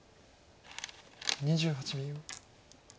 ２８秒。